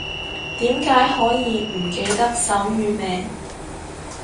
點解可以唔記得手語名